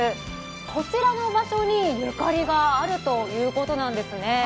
こちらの場所に、ゆかりがあるということなんですね。